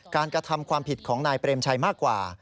กระทำความผิดของนายเปรมชัยมากกว่า